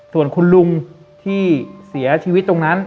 ส่วนคุณลุงที่เสียชีวิตตรงนั้น